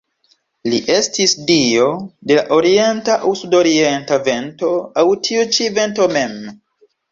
Li estis dio de la orienta aŭ sudorienta vento aŭ tiu ĉi vento mem.